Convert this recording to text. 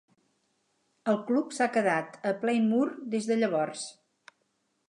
El club s'ha quedat a Plainmoor des de llavors.